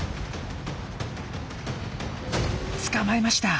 捕まえました。